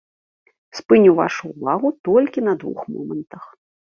Спыню вашу ўвагу толькі на двух момантах.